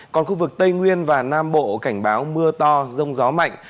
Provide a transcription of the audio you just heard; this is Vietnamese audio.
còn khu vực tây nguyên và nam bộ cảnh báo mưa to rông gió mạnh